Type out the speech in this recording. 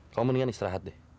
kamu mendingan istirahat deh